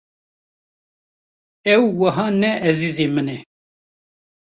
Ew wiha ne ezîzê min e.